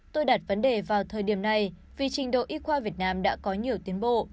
tôi đặt vấn đề vào thời điểm này vì trình độ y khoa việt nam đã có nhiều tiến bộ